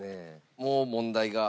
もう問題が。